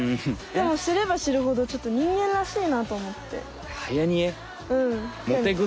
でもしればしるほどちょっと人間らしいなあとおもって。